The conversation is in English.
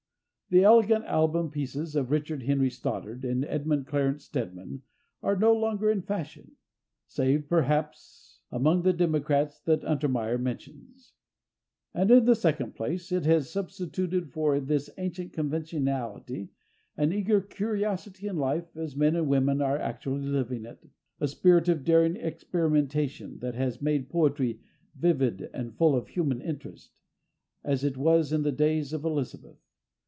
The elegant album pieces of Richard Henry Stoddard and Edmund Clarence Stedman are no longer in fashion—save, perhaps, among the democrats that Untermeyer mentions. And in the second place, it has substituted for this ancient conventionality an eager curiosity in life as men and women are actually living it—a spirit of daring experimentation that has made poetry vivid and full of human interest, as it was in the days of Elizabeth.